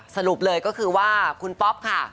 สรุปเลยก็คือว่าคุณป๊อปค่ะ